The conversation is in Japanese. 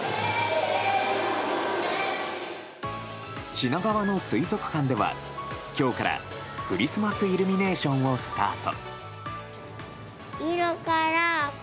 品川の水族館では、今日からクリスマスイルミネーションをスタート。